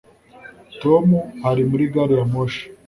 Tom hari muri gari ya moshi